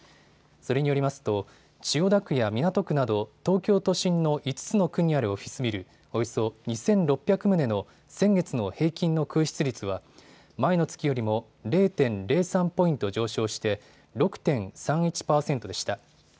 それによりますと、千代田区や港区など、東京都心の５つの区にあるオフィスビル、およそ２６００棟の先月の平均の空室率は、前の月よりも０．０３ポイント上昇して、６．３１％でした。